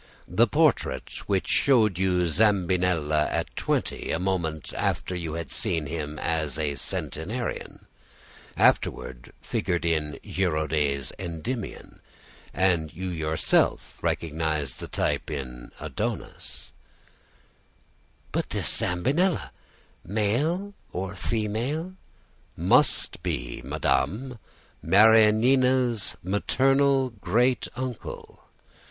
The portrait which showed you Zambinella at twenty, a moment after you had seen him as a centenarian, afterward figured in Girodet's Endymion; you yourself recognized the type in Adonis." "But this Zambinella, male or female " "Must be, madame, Marianina's maternal great uncle.